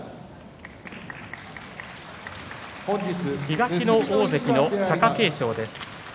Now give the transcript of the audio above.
東の大関の貴景勝です。